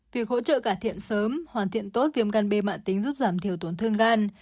việc hỗ trợ cải thiện sớm hoàn thiện tốt viêm gan bạ tính giúp giảm thiểu tổn thương gan